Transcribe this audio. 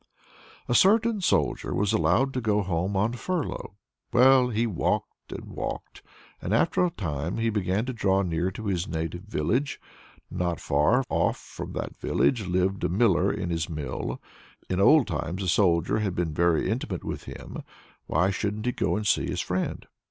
A certain soldier was allowed to go home on furlough. Well, he walked and walked, and after a time he began to draw near to his native village. Not far off from that village lived a miller in his mill. In old times the Soldier had been very intimate with him: why shouldn't he go and see his friend?